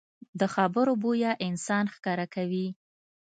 د خبرو بویه انسان ښکاره کوي